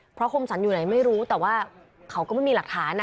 เพราะคมสรรอยู่ไหนไม่รู้แต่ว่าเขาก็ไม่มีหลักฐาน